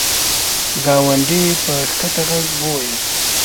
ګاونډي په کښته ږغ وویل !